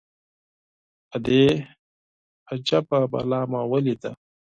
_ادې! اجبه بلا مې وليده.